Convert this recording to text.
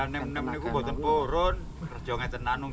tenaga ini ini buatan ini kerjaan ini tenaga ini ini